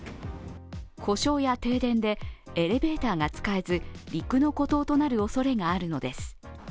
故障や停電でエレベーターが使えず、陸の孤島となるおそれがあるのです。